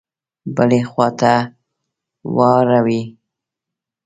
بلي خواته واړوي.